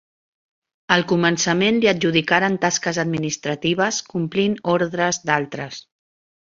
Al començament li adjudicaren tasques administratives complint ordres d'altres.